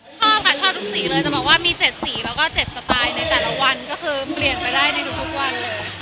ชอบค่ะชอบทุกสีเลยจะบอกว่ามี๗สีแล้วก็๗สไตล์ในแต่ละวันก็คือเปลี่ยนไปได้ในทุกวันเลยค่ะ